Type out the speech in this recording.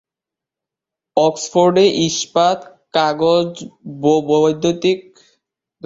অক্সফোর্ডে ইস্পাত, কাগজ, বৈদ্যুতিক সরঞ্জাম, মোটরযান এবং প্রকাশনা শিল্প অবস্থিত।